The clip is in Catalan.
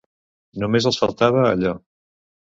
Només els faltava allò.